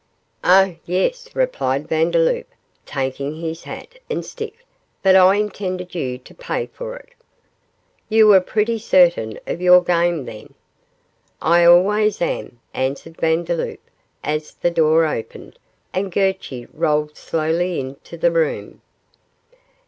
'Oh, yes,' replied Vandeloup, taking his hat and stick, 'but I intended you to pay for it.' 'You were pretty certain of your game, then?' 'I always am,' answered Vandeloup, as the door opened, and Gurchy rolled slowly into the room.